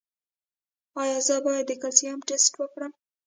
ایا زه باید د کلسیم ټسټ وکړم؟